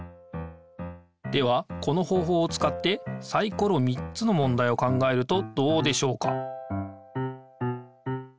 ではこの方ほうをつかってサイコロ３つのもんだいを考えるとどうでしょうか？